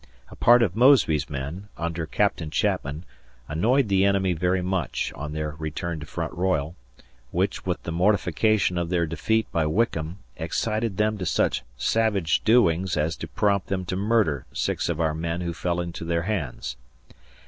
A part of Mosby's men, under Captain Chapman, annoyed the enemy very much on their return to Front Royal, which, with the mortification of their defeat by Wickham, excited them to such savage doings as to prompt them to murder six of our men who fell into their hands.